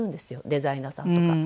デザイナーさんとか。